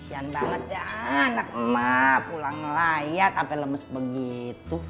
sian banget ya anak emak pulang melayak sampe lemes begitu